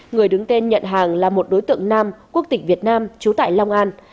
người đứng tên nhận hàng là một đối tượng nam quốc tịch việt nam trú tại long an